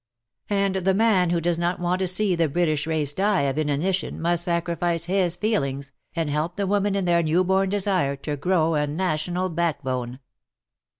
And the man who does not want to see the British race die of inanition must sacrifice his feelings, and help the women in their new born desire to grow a national backbone.